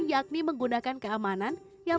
yakni menggunakan keamanan yang